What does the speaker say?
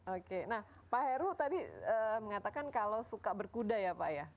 oke nah pak heru tadi mengatakan kalau suka berkuda ya pak ya